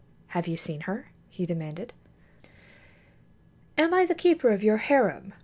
"Have you seen her?" he demanded. "Am I the keeper of your harem?"